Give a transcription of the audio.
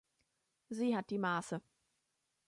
Sie hat die Maße